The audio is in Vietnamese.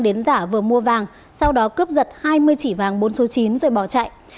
đến giả vừa mua vàng sau đó cướp giật hai mươi chỉ vàng bốn số chín rồi bỏ chạy